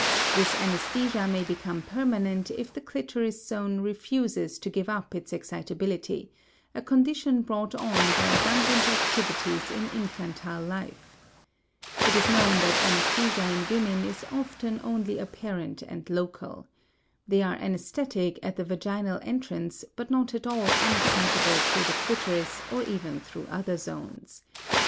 This anesthesia may become permanent if the clitoris zone refuses to give up its excitability; a condition brought on by abundant activities in infantile life. It is known that anesthesia in women is often only apparent and local. They are anesthetic at the vaginal entrance but not at all unexcitable through the clitoris or even through other zones.